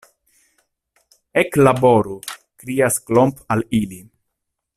Eklaboru! krias Klomp al ili.